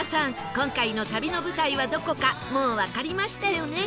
今回の旅の舞台はどこかもうわかりましたよね？